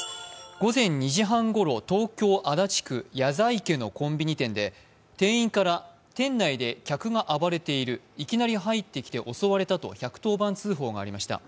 午前２時半ごろ、東京・足立区谷在家のコンビニ店で店員から店内で客が暴れている、いきなり入ってきて襲われたと１１０番通報がありました。